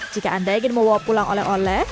jika anda ingin membawa pulang oleh oleh